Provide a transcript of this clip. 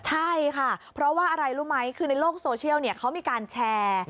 ใช่ค่ะเพราะว่าอะไรรู้ไหมคือในโลกโซเชียลเขามีการแชร์